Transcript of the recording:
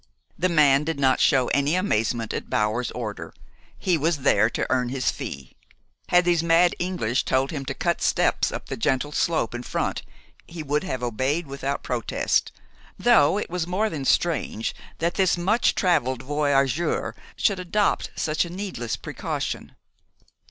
The man did not show any amazement at Bower's order. He was there to earn his fee. Had these mad English told him to cut steps up the gentle slope in front he would have obeyed without protest, though it was more than strange that this much traveled voyageur should adopt such a needless precaution.